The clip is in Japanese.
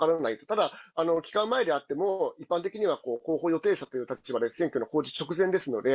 ただ、期間前であっても一般的には、候補予定者という立場で、選挙の公示直前ですので、